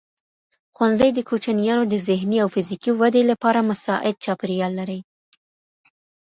ښوونځی د کوچنیانو د ذهني او فزیکي ودې لپاره مساعد چاپېریال لري.